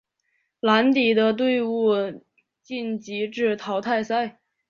蓝底的队伍晋级至淘汰赛。